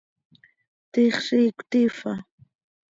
¿Tiix ziic cötiifa?